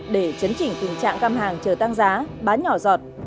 để chấn chỉnh tình trạng găm hàng chờ tăng giá bán nhỏ giọt